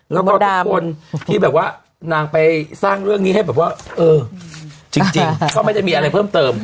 แล้วก็ทุกคนที่แบบว่านางไปสร้างเรื่องนี้ให้แบบว่าเออจริงก็ไม่ได้มีอะไรเพิ่มเติม